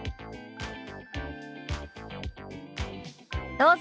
どうぞ。